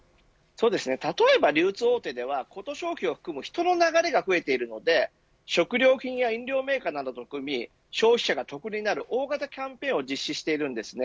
例えば流通大手はコト消費を含む人の流れが増えているので食料品や飲料メーカーなどと組み消費者が得になる大型キャンペーンを実施ししているんです。